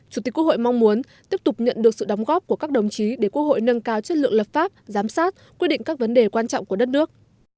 chủ tịch quốc hội mong muốn tiếp tục nhận được sự đóng góp của các đồng chí để quốc hội nâng cao chất lượng lập pháp giám sát quyết định các vấn đề quan trọng của đất nước